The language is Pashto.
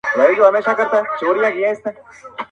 انساني احساسات زخمي کيږي سخت,